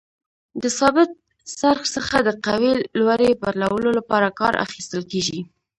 د ثابت څرخ څخه د قوې لوري بدلولو لپاره کار اخیستل کیږي.